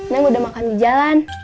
neng udah makan di jalan